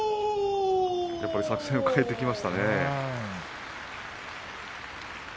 やっぱり作戦を変えてきましたね。